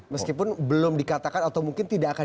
meskipun belum dikatakan atau mungkin tidak akan